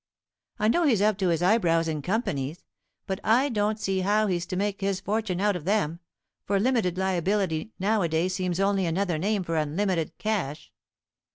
I know he's up to his eyebrows in companies, but I don't see how he's to make his fortune out of them, for limited liability now a days seems only another name for unlimited crash.